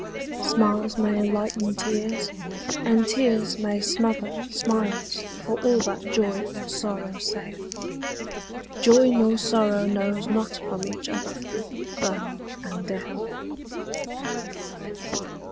Smiles may lighten tears, and tears may smother Smiles, for all that joy or sorrow saith: Joy nor sorrow knows not from each other Birth and death.